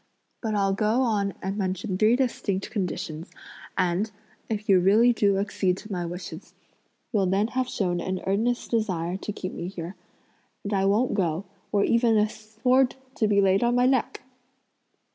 But I'll go on and mention three distinct conditions, and, if you really do accede to my wishes, you'll then have shown an earnest desire to keep me here, and I won't go, were even a sword to be laid on my neck!"